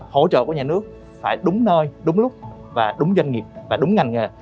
hỗ trợ của nhà nước phải đúng nơi đúng lúc và đúng doanh nghiệp và đúng ngành nghề